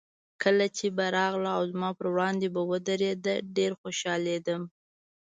کله چې به راغله او زما په وړاندې به ودرېده، ډېر خوشحالېدم.